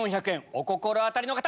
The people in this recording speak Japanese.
お心当たりの方！